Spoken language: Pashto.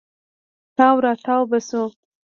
تاو راتاو به سو.